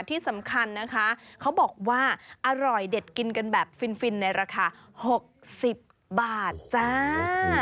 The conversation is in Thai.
ที่สำคัญนะคะเขาบอกว่าอร่อยเด็ดกินกันแบบฟินในราคา๖๐บาทจ้า